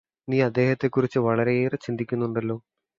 നീ അദ്ദേഹത്തെ കുറിച്ച് വളരേയേറെ ചിന്തിക്കുന്നുണ്ടല്ലേ